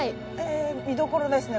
え見どころですね